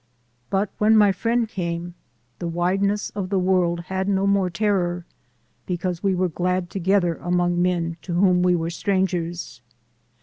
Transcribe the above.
But when my friend came the wideness of the world had no more terror, Because we were glad together among men to whom we were strangers.